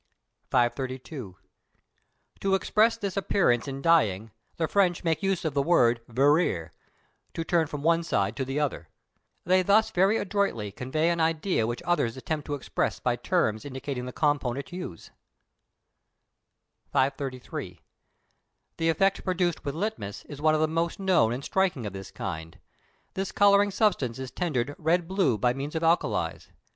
532. To express this appearance in dyeing, the French make use of the word "virer," to turn from one side to the other; they thus very adroitly convey an idea which others attempt to express by terms indicating the component hues. 533. The effect produced with litmus is one of the most known and striking of this kind. This colouring substance is tendered red blue by means of alkalis.